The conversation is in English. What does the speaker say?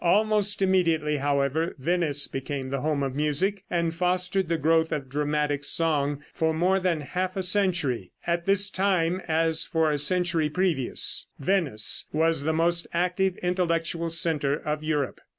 Almost immediately, however, Venice became the home of music, and fostered the growth of dramatic song for more than half a century. At this time, as for a century previous, Venice was the most active intellectual center of Europe.